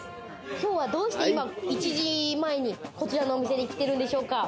きょうはどうして今１時前に、こちらのお店に来てるんでしょうか？